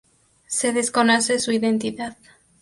Se desconoce su identidad.